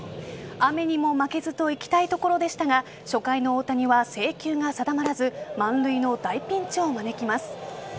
雨にも負けずといきたいところでしたが初回の大谷は制球が定まらず満塁の大ピンチを招きます。